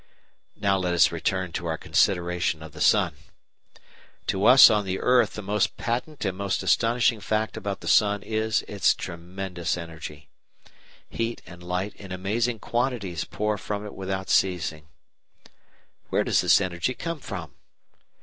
§ 3 Now let us return to our consideration of the sun. To us on the earth the most patent and most astonishing fact about the sun is its tremendous energy. Heat and light in amazing quantities pour from it without ceasing. Where does this energy come from?